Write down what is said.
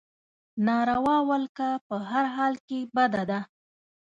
ناروا ولکه په هر حال کې بده ده.